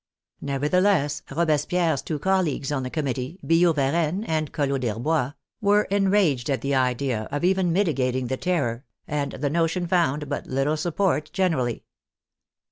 Nevertheless, Robespierre's two colleagues on the committee, Billaud Varennes and Collot D'Herbois, were enraged at the idea of even mit igating the " Terror," and the notion found but little sup port generally.